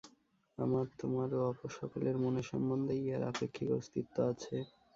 আমার, তোমার ও অপর সকলের মনের সম্বন্ধেই ইহার আপেক্ষিক অস্তিত্ব আছে।